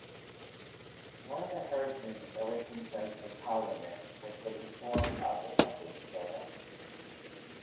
One of Herdman's early concerns in Parliament was the reform of the public service.